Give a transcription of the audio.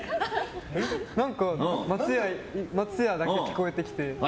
何か、松屋だけ聞こえてきて。